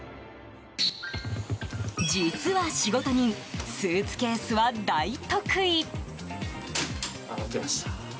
実は仕事人スーツケースは大得意。